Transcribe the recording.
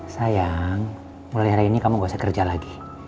sayang mulai hari ini kamu gak usah kerja lagi